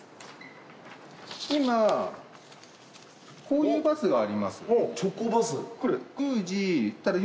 今こういうバスがあります。